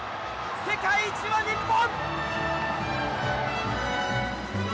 世界一は日本！